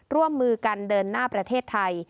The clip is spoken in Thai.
ร่วมมือกันเดินหน้าประเทศไทย